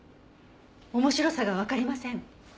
面白さがわかりません。